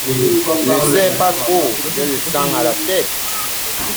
Ne serre pas trop… j’ai le sang à la tête !…